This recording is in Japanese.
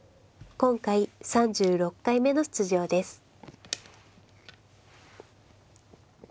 今回３６回目の出場です。